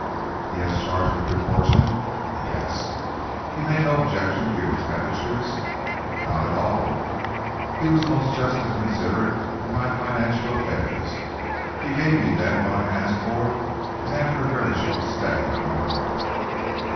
"He has charge of your fortune?" "Yes." "He made no objection to your expenditures?" "Not at all. He was most just and considerate in my financial affairs. He gave me then what I asked for, and after a very short stay I went on."